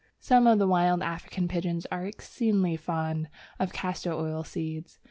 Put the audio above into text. Some of the wild African pigeons are exceedingly fond of castor oil seeds.